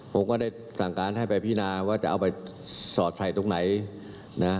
ผมก็ได้สั่งการให้ไปพินาว่าจะเอาไปสอดใส่ตรงไหนนะ